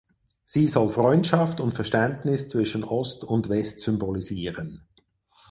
Sie soll Freundschaft und Verständnis zwischen Ost und West symbolisieren.